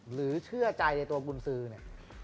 หรือเชื่อใจในตัวกุญสือเนี่ย